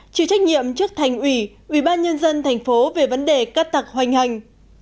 chịu trách nhiệm trước thành ủy ubnd tp về vấn đề cắt tặc hoành hành